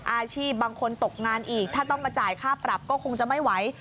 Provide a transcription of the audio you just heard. อาชีพบางคนตกงานอีกถ้าต้องมาจ่ายค่าปรับก็คงจะไม่ไหว